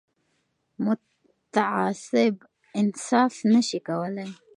متعصب انصاف نه شي کولای